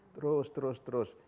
terus terus terus